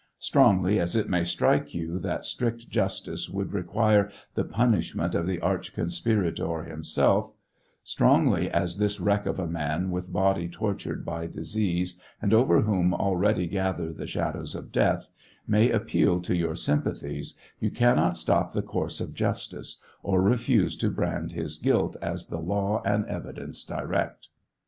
Strongly as it may strike you that strict justice would require the punishment of the arch conspirator himself; strongly as this wreck of a man, with body tortured by disease and over whom already gather the shadows of death, may appeal to your sympathies, you cannot stop the course of justice or refuse to brand his guilt as the law and evidence direct.